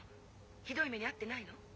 ひどい目に遭ってないの？